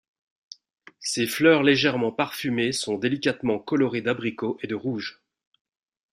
Ses fleurs légèrement parfumées sont délicatement colorées d'abricot et de rouge.